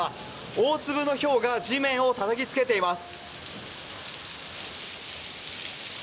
大粒のひょうが地面をたたきつけています。